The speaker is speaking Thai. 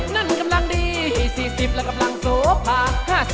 นั่นกำลังดี๔๐และกำลังโสภา